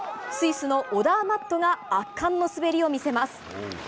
スイスのオダーマットが圧巻の滑りを見せます。